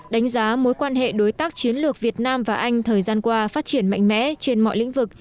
đánh giá mối quan hệ đối tác chiến lược việt nam và anh thời gian qua phát triển mạnh mẽ trên mọi lĩnh vực